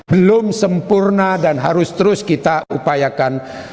belum sempurna dan harus terus kita upayakan